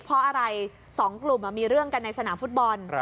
เพราะอะไรสองกลุ่มมีเรื่องกันในสนามฟุตบอล